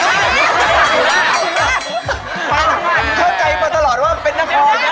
เข้าใจมาตลอดว่าเป็นนักฮอล์